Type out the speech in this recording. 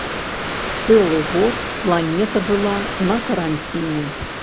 Цэлы год планета была на каранціне.